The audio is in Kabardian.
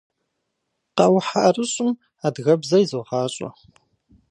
Къэухь ӏэрыщӏым адыгэбзэ изогъащӏэ.